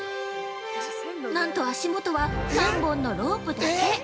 なんと足元は３本のロープだけ。